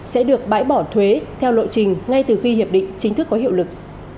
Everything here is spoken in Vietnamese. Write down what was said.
sẽ được bãi bỏ thuế theo lộ trình ngay từ khi hiệp định chính thức có hiệu lực